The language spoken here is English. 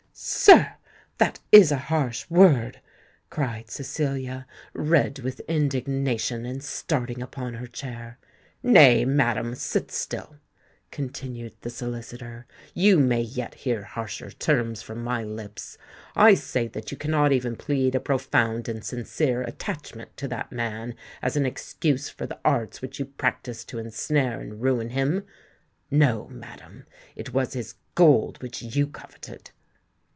"Sir—that is a harsh word!" cried Cecilia, red with indignation, and starting upon her chair. "Nay, madam—sit still," continued the solicitor: "you may yet hear harsher terms from my lips. I say that you cannot even plead a profound and sincere attachment to that man as an excuse for the arts which you practised to ensnare and ruin him:—no, madam—it was his gold which you coveted!"